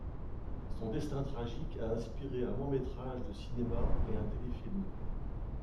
Son destin tragique a inspiré un long-métrage de cinéma et un téléfilm.